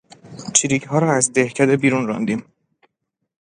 چریکها را از دهکده بیرون راندیم.